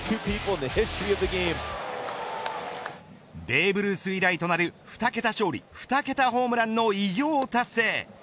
ベーブ・ルース以来となる２桁勝利２桁ホームランの偉業を達成。